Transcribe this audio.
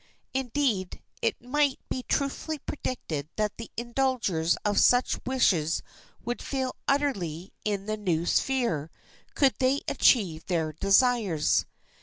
Indeed, it might be truthfully predicated that the indulgers of such wishes would fail utterly in the new sphere, could they achieve their desires.